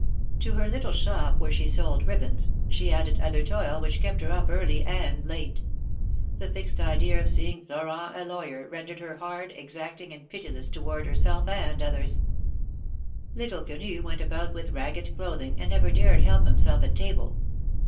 To a little shop where she sold ribbons, she added other toil, which kept her up early and late. The fixed idea of seeing Florent a lawyer, rendered her hard, exacting and pitiless toward herself and others. Little Quenu went about with ragged clothing, and never dared help himself at table.